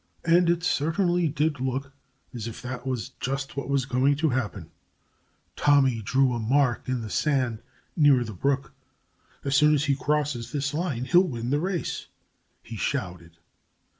And it certainly did look as if that was just what was going to happen. Tommy drew a mark in the sand near the brook. "As soon as he crosses this line, he'll win the race!" he shouted.